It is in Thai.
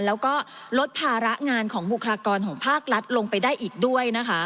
แล้วก็ลดภาระงานของบุคลากรของภาครัฐลงไปได้อีกด้วยนะคะ